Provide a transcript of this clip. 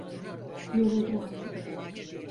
Yoruldum artık.